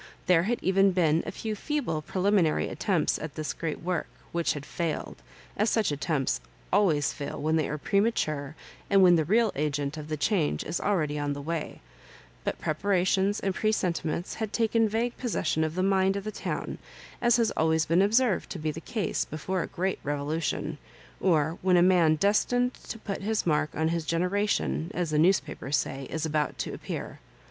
There had even been a few feeble preliminary attempts at this great work, which had failed, as such attempts always fail when they are premature and when the real agent of the change is ahready on the way ; but preparations and presentiments had taken vague possession of the mind of the town, as has always been observed to be the case before a great revolution, or when a man destined to put his mark on his generation, as the newspapers say, is about to appear.